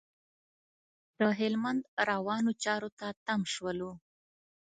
د هلمند روانو چارو ته تم شولو.